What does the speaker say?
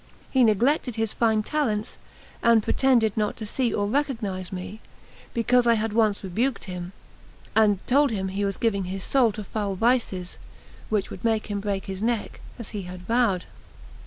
He neglected his fine talents, and pretended not to see or recognise me, because I had once rebuked him, and told him he was giving his soul to foul vices, which would make him break his neck, as he had vowed.